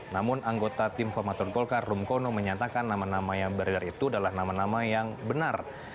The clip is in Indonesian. namun anggota tim formatur golkar rumkono menyatakan nama nama yang beredar itu adalah nama nama yang benar